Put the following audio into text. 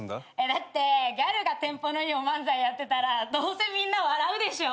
だってギャルがテンポのいいお漫才やってたらどうせみんな笑うでしょ？